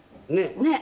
ねっ。